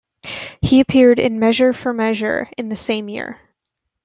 He appeared in "Measure for Measure" in the same year.